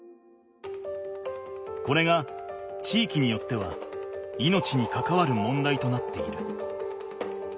これが地域によっては命にかかわる問題となっている。